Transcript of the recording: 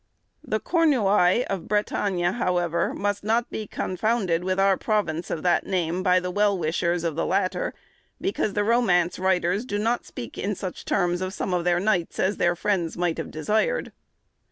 The Cornouaille of Bretagne, however, must not be confounded with our province of that name by the well wishers of the latter, because the romance writers do not speak in such terms of some of their knights as their friends might have desired.